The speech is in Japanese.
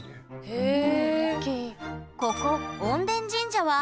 へえ。